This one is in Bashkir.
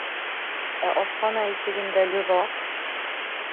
Ә ашхана ишегендә йоҙаҡ!